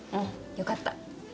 よかった。